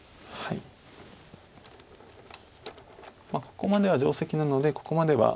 ここまでは定石なのでここまでは。